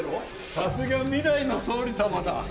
さすが未来の総理様だ。